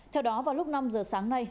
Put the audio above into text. theo đó vào lúc năm giờ sáng nay